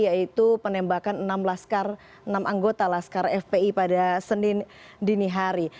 yaitu penembakan enam anggota laskar fpi pada senin dinihari